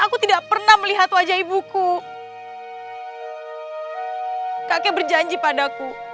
kakek berjanji padaku